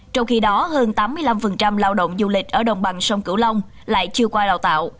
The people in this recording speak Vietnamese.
trong khi đó hơn tám mươi năm lao động du lịch ở đồng bằng sông cửu long lại chưa qua đào tạo